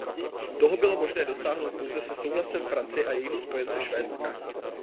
Toho bylo možné dosáhnout pouze se souhlasem Francie a jejího spojence Švédska.